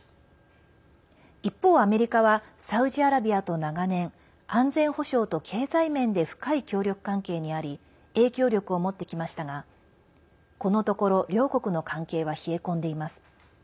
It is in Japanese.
一方、アメリカはサウジアラビアと長年安全保障と経済面で深い協力関係にあり影響力を持ってきましたがこのところ両国の関係は冷え込んでいます。